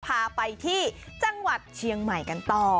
พาไปที่จังหวัดเชียงใหม่กันต่อ